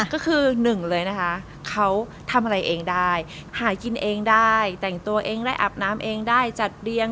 ก็คือหนึ่งเลยนะคะเขาทำอะไรเองได้หากินเองได้แต่งตัวเองได้อาบน้ำเองได้จัดเรียง